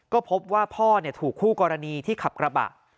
ก็พบว่าพ่อถูกคู่กรณีที่ขับกระบะ